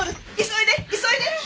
急いで急いで！